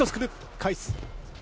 返す。